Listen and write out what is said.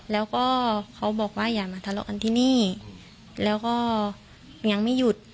แล้วก็เขาบอกว่าอย่ามาทะเลาะกันที่นี่แล้วก็ยังไม่หยุด